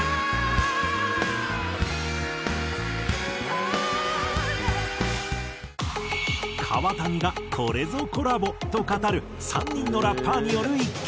「Ａｈ．．．」川谷が「これぞコラボ！」と語る３人のラッパーによる１曲。